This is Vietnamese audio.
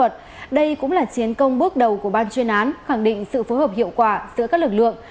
đây cũng là chiến công bước đầu của ban chuyên án khẳng định sự phối hợp hiệu quả giữa các lực lượng